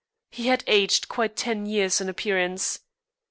He had aged quite ten years in appearance.